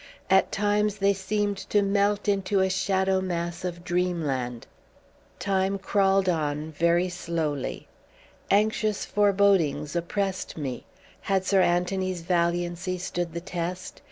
At times they seemed to melt into a shadow mass of dreamland .... Time crawled on very slowly. Anxious forebodings oppressed me. Had Sir Anthony's valiancy stood the test?